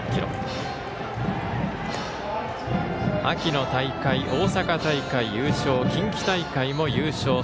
秋の大会、大阪大会優勝近畿大会も優勝